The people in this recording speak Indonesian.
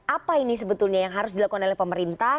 apa ini sebetulnya yang harus dilakukan oleh pemerintah